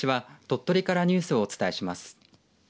鳥取からニュースをお伝えします。